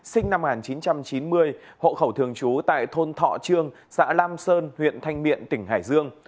sinh năm một nghìn chín trăm chín mươi hộ khẩu thường trú tại thôn thọ trương xã lam sơn huyện thanh miện tỉnh hải dương